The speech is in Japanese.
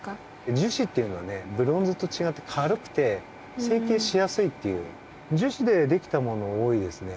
樹脂っていうのはねブロンズとちがって軽くて成形しやすいっていう樹脂でできたもの多いですね。